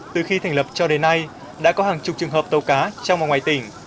từ khi thành lập cho đến nay đã có hàng chục trường hợp tàu cá trong và ngoài tỉnh